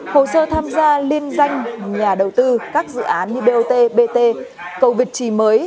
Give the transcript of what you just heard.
hồ sơ tham gia liên doanh nhà đầu tư các dự án như bot bt cầu việt trì mới